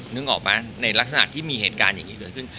นึกออกไหมในลักษณะที่มีเหตุการณ์อย่างนี้เกิดขึ้น